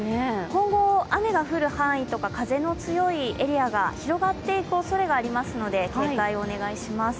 今後、雨が降る範囲とか風の強いエリアが広がっていくおそれがありますので警戒をお願いします。